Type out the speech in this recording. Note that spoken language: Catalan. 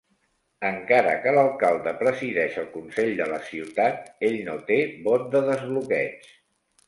Encara que l'alcalde presideix el consell de la ciutat, ell no té vot de desbloqueig.